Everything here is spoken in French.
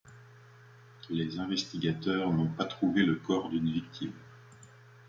Les investigateurs n’ont pas trouvé le corps d’une victime.